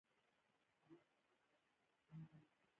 باسواده نجونې د خیاطۍ په برخه کې مهارت لري.